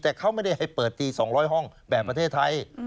แต่เขาไม่ได้ให้เปิดตี๒๐๐ห้องแบบประเทศไทย